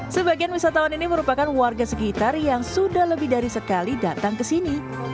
sebagian wisatawan ini merupakan warga sekitar yang sudah lebih dari sekali datang ke sini